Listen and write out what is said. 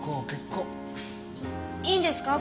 いいんですか？